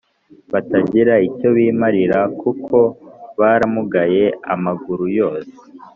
batagira icyo bimarira kuko baramugaye amaguru yose